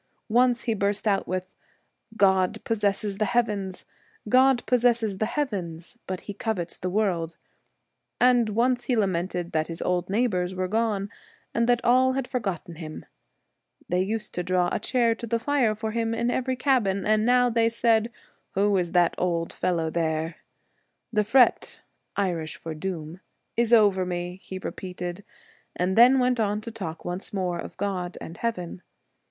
Once he burst out with ' God possesses the heavens — God possesses the heavens — but He covets the world '; and once he lamented that his old neighbours were gone, and that all had forgotten him : they used to draw a chair to the fire for him in every cabin, and now they said, ' Who is that old fellow there ?' 'The fret' [Irish for doom] 'is over me,' he repeated, and then went on to talk once more of God and heaven.